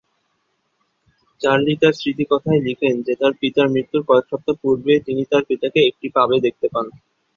Charlie তার স্মৃতিকথায় লিখেন যে তার পিতার মৃত্যুর কয়েক সপ্তাহ পূর্বে তিনি তার পিতাকে একটি পাবে দেখতে পান।